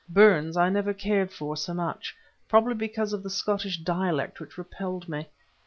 Burns I never cared for so much, probably because of the Scottish dialect which repelled me.